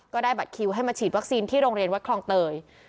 ได้บัตรคิวให้มาฉีดวัคซีนที่โรงเรียนวัดคลองเตย